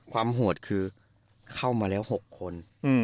ความหวดคือเข้ามาแล้ว๖คน